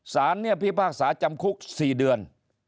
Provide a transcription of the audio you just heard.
ศาลพิพากษาจำคุก๔เดือน